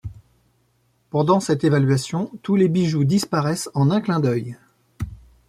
Pendant cette évaluation, tous les bijoux disparaissent en un clin d'œil.